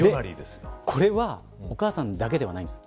これはお母さんだけではないんです。